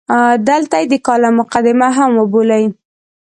دلته یې د کالم مقدمه هم وبولئ.